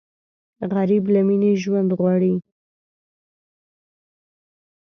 غریب له مینې ژوند غواړي